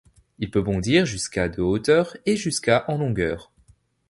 Il peut bondir jusqu'à de hauteur et jusqu'à en longueur.